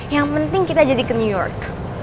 yang penting kita jadi ke new york